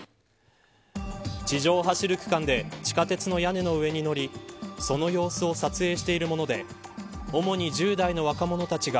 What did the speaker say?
地上を走る区間で地下鉄の屋根の上に乗りその様子を撮影しているもので主に１０代の若者たちが